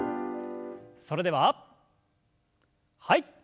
それでははい。